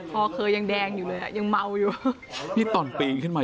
พอเคยยังแดงอยู่เลยอ่ะยังเมาอยู่ที่ตอนปีนขึ้นมา